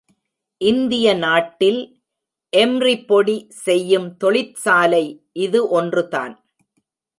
இந்திய நாட்டில் எம்ரிபொடி செய்யும் தொழிற்சாலை இது ஒன்று தான்.